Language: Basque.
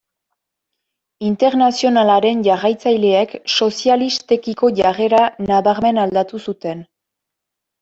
Internazionalaren jarraitzaileek sozialistekiko jarrera nabarmen aldatu zuten.